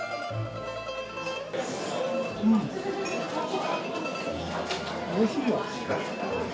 うん、おいしいよ。